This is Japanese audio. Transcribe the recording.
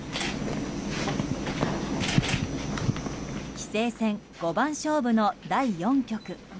棋聖戦五番勝負の第４局。